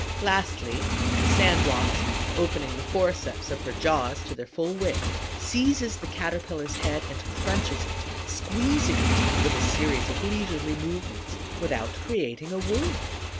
Lastly, the Sand Wasp, opening the forceps of her jaws to their full width, seizes the Caterpillar's head and crunches it, squeezing it with a series of leisurely movements, without creating a wound.